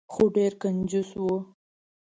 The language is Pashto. خو ډیر کنجوس و.